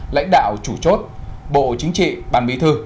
lãnh đạo chủ chốt bộ chính trị ban bí thư